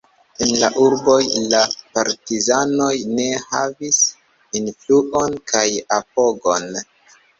En la urboj la partizanoj ne havis influon kaj apogon.